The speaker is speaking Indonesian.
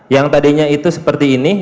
yang tadinya itu seperti ini